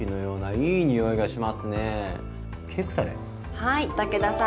はい武田さん。